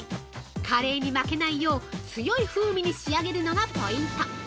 カレーに負けないよう強い風味に仕上げるのがポイント。